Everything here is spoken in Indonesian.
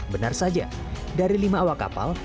benar saja dari lima awak kapal